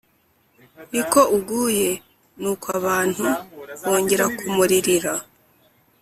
Ni ko uguye.” Nuko abantu bongera kumuririra.